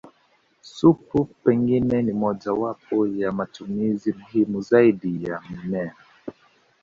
Supu pengine ni mmojawapo ya matumizi muhimu zaidi ya mimea